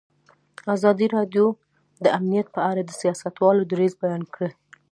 ازادي راډیو د امنیت په اړه د سیاستوالو دریځ بیان کړی.